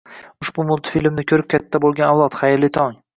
Ushbu multfilmni ko'rib katta bo'lgan avlod, xayrli tong!